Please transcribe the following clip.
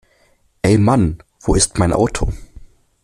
Ey Mann wo ist mein Auto?